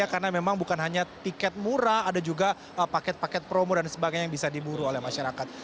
karena memang bukan hanya tiket murah ada juga paket paket promo dan sebagainya yang bisa diburu oleh masyarakat